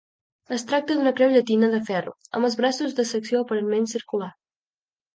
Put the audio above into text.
Es tracta d'una creu llatina de ferro, amb els braços de secció aparentment circular.